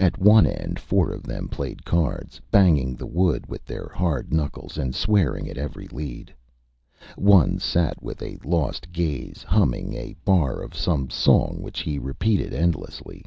At one end four of them played cards, banging the wood with their hard knuckles, and swearing at every lead. One sat with a lost gaze, humming a bar of some song, which he repeated endlessly.